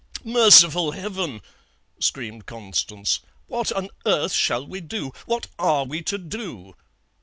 "'Merciful Heaven!' screamed Constance, 'what on earth shall we do? What are we to do?'